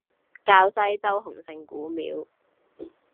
滘西洲洪聖古廟